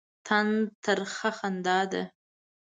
طنز ترخه خندا ده.